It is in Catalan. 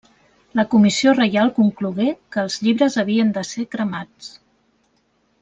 La comissió reial conclogué que els llibres havien de ser cremats.